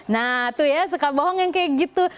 nah tuh ya suka bohong yang kayak gitu